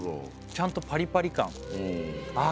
ちゃんとパリパリ感あ